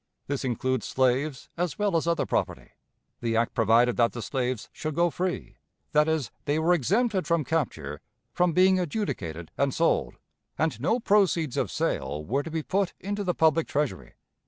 This includes slaves as well as other property. The act provided that the slaves should go free; that is, they were exempted from capture, from being adjudicated and sold, and no proceeds of sale were to be put into the public Treasury.